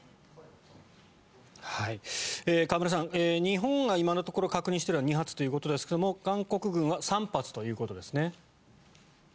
河村さん、日本が今のところ確認しているのは２発ということですが韓国軍は３発ということですね。